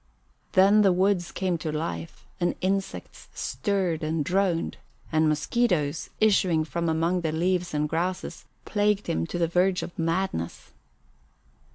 Then the woods came to life and insects stirred and droned, and mosquitoes, issuing from among the leaves and grasses, plagued him to the verge of madness.